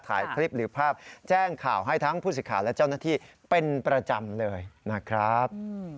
ถ่ายคลิปหรือภาพแจ้งข่าวให้ทั้งผู้สิทธิ์และเจ้าหน้าที่เป็นประจำเลยนะครับ